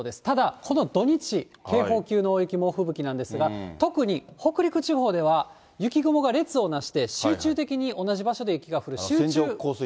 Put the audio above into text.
ただ、この土日、警報級の大雪、猛吹雪なんですが、特に北陸地方では、雪雲が列をなして集中的に同じ場所で雪が降る、集中。